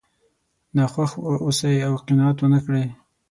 ناخوښ واوسئ او قناعت ونه کړئ.